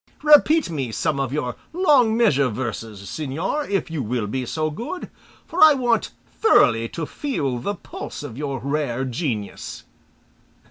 Repeat me some of your long measure verses, señor, if you will be so good, for I want thoroughly to feel the pulse of your rare genius."